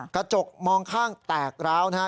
กระจกมองข้างแตกร้าวนะฮะ